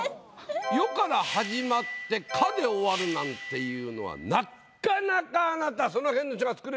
「よ」から始まって「か」で終わるなんていうのはなかなかあなたあらら。